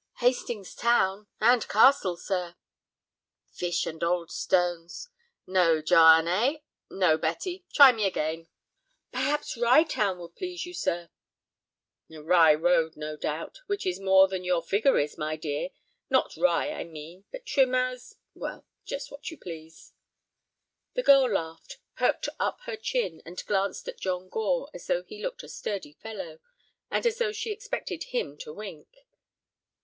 "Hastings Town—and Castle, sir." "Fish and old stones! No, John, eh; no Betty. Try me again." "Perhaps Rye Town would please you, sir." "A wry road, no doubt, which is more than your figure is, my dear; not wry, I mean, but trim as—well—just what you please." The girl laughed, perked up her chin, and glanced at John Gore as though he looked a sturdy fellow, and as though she expected him to wink.